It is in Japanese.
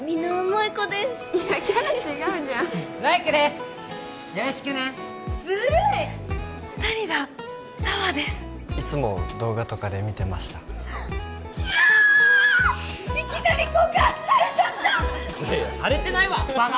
いやいやされてないわバカ！